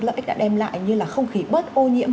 lợi ích đã đem lại như là không khí bớt ô nhiễm